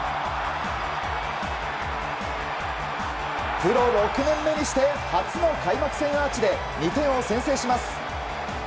プロ６年目にして初の開幕戦アーチで２点を先制します。